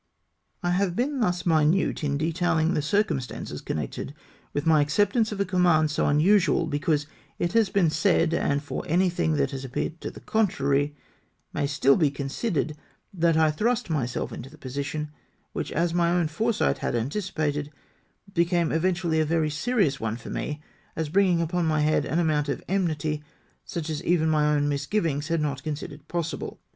I have been thus minute in detailing the circumstances connected with my acceptance of a command so un usual, because it has been said, and for anything that has appeared to the contrary, may still be considered, that I thrust myself into the position, which, as my own foresight had' anticipated, became eventually a very serious one for me, as bringing upon my head an amount of enmity, such as even my own misgivings had not considered possible.